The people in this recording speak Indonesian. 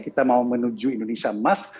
kita mau menuju indonesia emas